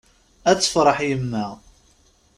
Ad tefreḥ yemma!